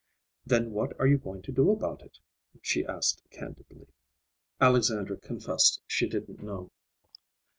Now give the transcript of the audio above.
Then what are you going to do about it?" she asked candidly. Alexandra confessed she didn't know.